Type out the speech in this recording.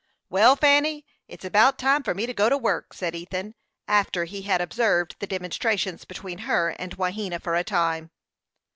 "Well, Fanny, it's about time for me to go to work," said Ethan, after he had observed the demonstrations between her and Wahena for a time.